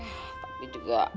ya tapi juga